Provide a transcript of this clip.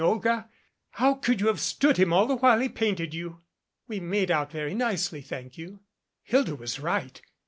Olga, how could you have stood him all the while he painted you?" "We made out very nicely, thank you." "Hilda was right.